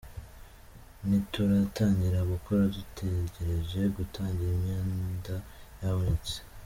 Ntituratangira gukora dutegereje gutangira imyanda yabonetse.